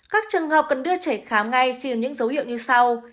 các trường hợp cần đưa trẻ khám ngay khi có những dấu hiệu như sau